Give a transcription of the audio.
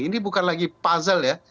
ini bukan lagi puzzle ya